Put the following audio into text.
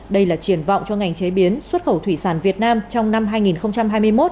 đây là triển vọng cho ngành chế biến xuất khẩu thủy sản việt nam trong năm hai nghìn hai mươi một